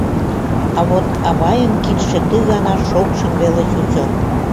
А вот авайын кидше ты гана шокшын веле чучо.